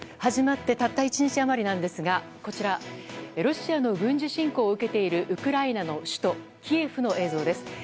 始まってたった１日余りですがこちら、ロシアの軍事侵攻を受けているウクライナの首都キエフの映像です。